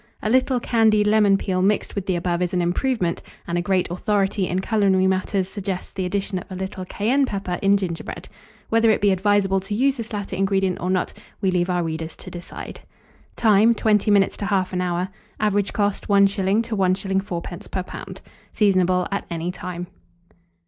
A little candied lemon peel mixed with the above is an improvement, and a great authority in culinary matters suggests the addition of a little cayenne pepper in gingerbread. Whether it be advisable to use this latter ingredient or not, we leave our readers to decide. Time. 20 minutes to 1/2 hour. Average cost, 1s. to 1s. 4d. per lb. Seasonable at any time.